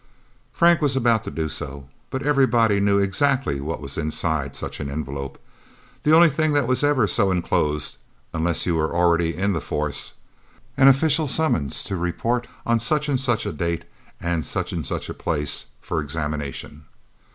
Frank was about to do so. But everybody knew exactly what was inside such an envelope the only thing that was ever so enclosed, unless you were already in the Force. An official summons to report, on such and such a date and such and such a place, for examination.